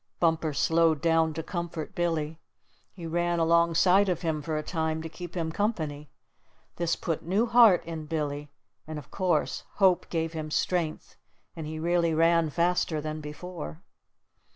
Bumper slowed down to comfort Billy. He ran alongside of him for a time to keep him company. This put new heart in Billy, and of course hope gave him strength and he really ran faster than before.